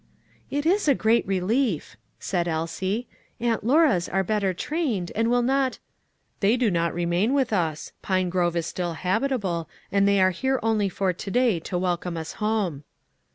"It is a great relief," said Elsie. "Aunt Lora's are better trained, and will not " "They do not remain with us; Pinegrove is still habitable, and they are here only for to day to welcome us home."